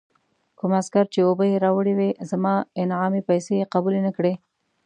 کوم عسکر چې اوبه یې راوړې وې، زما انعامي پیسې یې قبول نه کړې.